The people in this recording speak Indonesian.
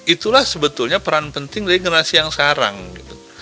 itulah sebetulnya peran penting dari generasi yang sekarang gitu